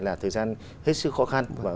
là thời gian hết sức khó khăn và